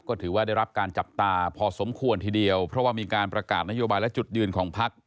ก็ถือว่าได้รับการจับตาพอสมควรทีเดียวเพราะว่ามีการประกาศนโยบายและจุดยืนของพัก